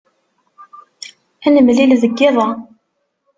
Ad nemlil deg yiḍ-a.